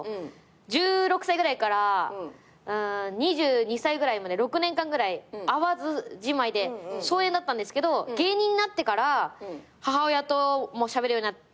１６歳ぐらいから２２歳ぐらいまで６年間ぐらい会わずじまいで疎遠だったんですけど芸人になってから母親ともしゃべるようになって。